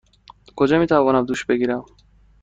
کجا می توانم دوش بگیرم؟